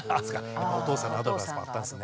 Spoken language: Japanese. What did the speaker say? お父さんのアドバイスもあったんですね。